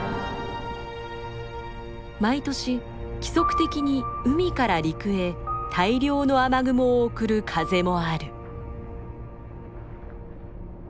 毎年規則的に海から陸へ大量の雨雲を送る風もある。